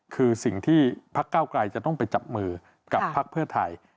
คือสิ่งที่ภาคเก้ากลายจะต้องไปจับมือกับพลักษณ์เพื่อไทย